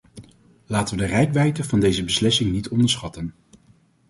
Laten we de reikwijdte van deze beslissing niet onderschatten.